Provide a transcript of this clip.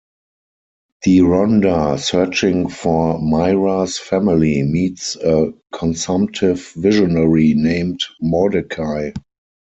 Deronda, searching for Mirah's family, meets a consumptive visionary named Mordecai.